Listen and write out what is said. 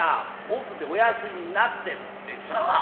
奥でお休みになってるってさ。